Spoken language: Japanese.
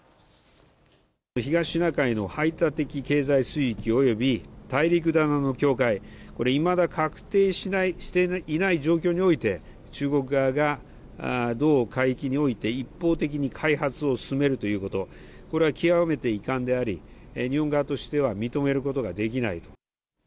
東シナ海の排他的経済水域および大陸棚の境界、これ、いまだ画定していない状況において、中国側が同海域において一方的に開発を進めるということ、これは極めて遺憾であり、日本側としては認めることができないと。